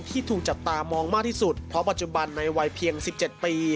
ถูกจับตามองมากที่สุดเพราะปัจจุบันในวัยเพียง๑๗ปี